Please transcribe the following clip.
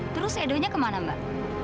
terus edonya kemana mbak